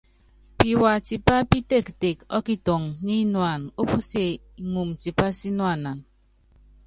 Piwa tipá pítektek ɔ́kitɔŋɔ nyínuána opusíe iŋumu tipa sínuana.